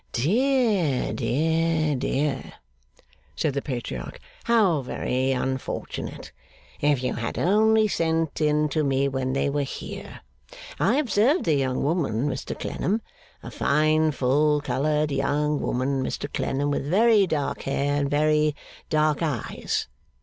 'Dear, dear, dear!' said the Patriarch, 'how very unfortunate! If you had only sent in to me when they were here! I observed the young woman, Mr Clennam. A fine full coloured young woman, Mr Clennam, with very dark hair and very dark eyes.